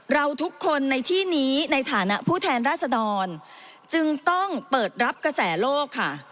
เราทุกคนในที่นี้ในฐานะผู้แทนราษดรจึงต้องเปิดรับกระแสโลกค่ะ